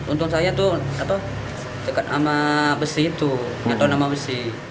untung saya itu dekat sama besi itu atau nama besi